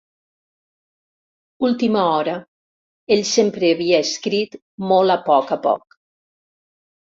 Última hora, ell sempre havia escrit molt a poc a poc.